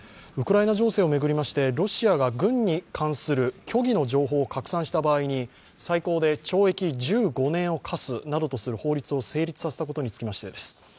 ウクライナ情勢を巡りまして、ロシアが軍に関する虚偽の情報を拡散した場合に最高で懲役１５年を科すなどとする法律を成立させたことにつきましてです。